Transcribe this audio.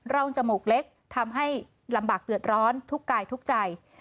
จมูกเล็กทำให้ลำบากเดือดร้อนทุกกายทุกใจ